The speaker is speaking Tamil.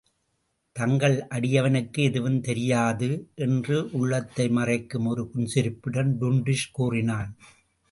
தங்கள் அடியவனுக்கு எதுவும் தெரியாது! என்று உள்ளத்தை மறைக்கும் ஒரு புன்சிரிப்புடன் டுன்டுஷ் கூறினான்.